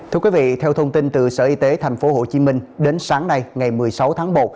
thưa quý vị theo thông tin từ sở y tế tp hcm đến sáng nay ngày một mươi sáu tháng một